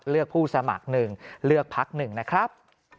เลือกผู้สมัคร๑เลือกพักหนึ่งนะครับ